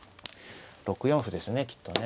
６四歩ですねきっとね。